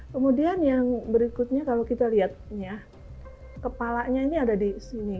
kemudian yang berikutnya kalau kita lihat ya kepalanya ini ada di sini